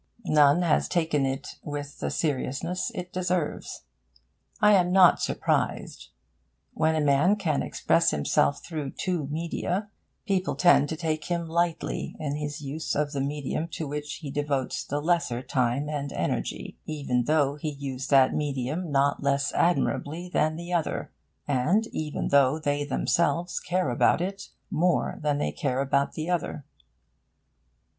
None has taken it with the seriousness it deserves. I am not surprised. When a man can express himself through two media, people tend to take him lightly in his use of the medium to which he devotes the lesser time and energy, even though he use that medium not less admirably than the other, and even though they themselves care about it more than they care about the other.